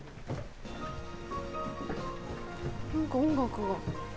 何か音楽が。